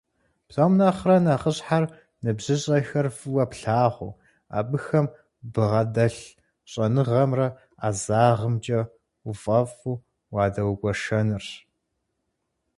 Псом нэхърэ нэхъыщхьэр ныбжьыщӀэхэр фӀыуэ плъагъуу, абыхэм ббгъэдэлъ щӀэныгъэмрэ ӀэзагъымкӀэ уфӀэфӀу уадэгуэшэнырщ.